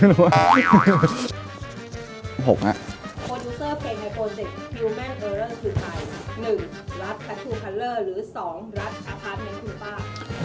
หนึ่งรัดแคททูคัลเลอร์หรือสองรัดอาพาร์ตเม้นทูป้า